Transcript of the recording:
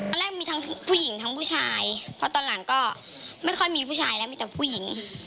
แรกมีทั้งผู้หญิงทั้งผู้ชายเพราะตอนหลังก็ไม่ค่อยมีผู้ชายแล้วมีแต่ผู้หญิง